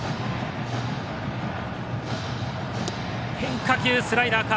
変化球、スライダーか。